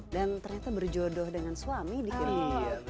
dan ternyata berjodoh dengan suami di film ini